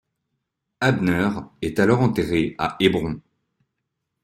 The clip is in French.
Abner est alors enterré à Hébron.